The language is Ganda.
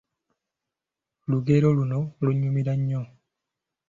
Lugero luno lunnyumira nnyo.